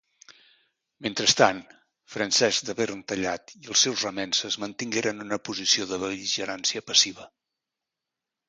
Mentrestant, Francesc de Verntallat i els seus remences mantingueren una posició de bel·ligerància passiva.